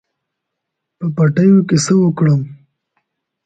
په پټیو کې څه وکړم.